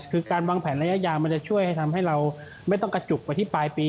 คือการวางแผนระยะยาวมันจะช่วยให้ทำให้เราไม่ต้องกระจุกไปที่ปลายปี